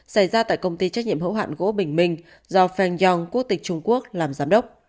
xảy ra tại công ty trách nhiệm hữu hạn gỗ bình minh do feng yong quốc tịch trung quốc làm giám đốc